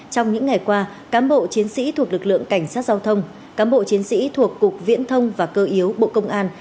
trong những ngày qua cám bộ chiến sĩ thuộc lực lượng cảnh sát giao thông cám bộ chiến sĩ thuộc cục viễn thông và cơ yếu bộ công an